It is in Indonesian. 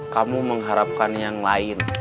kamu mengharapkan yang lain